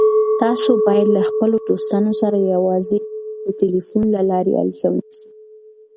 تاسو باید له خپلو دوستانو سره یوازې د ټلیفون له لارې اړیکه ونیسئ.